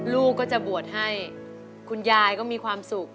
ลูกก็จะบวชให้คุณยายก็มีความสุข